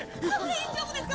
大丈夫ですか？